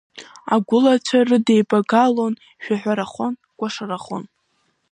Агәылацәа рыдеибагалон, шәаҳәарахон, кәашарахон…